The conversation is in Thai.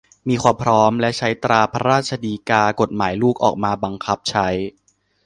มีความพร้อม และให้ตราพระราชกฤษฎีกา กฎหมายลูก ออกมาบังคับใช้